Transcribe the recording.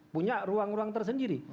punya ruang ruang tersendiri